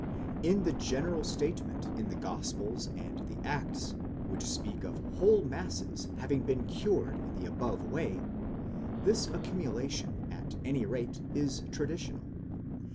In the general statement in the Gospels and the Acts, which speak of whole masses having been cured in the above way, this accumulation at any rate is traditional.